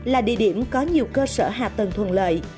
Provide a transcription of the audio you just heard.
là địa điểm có nhiều cơ sở hạ tầng thuận lợi